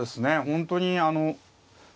本当にあの。